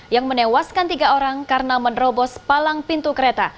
yang menewaskan tiga orang karena menerobos palang pintu kereta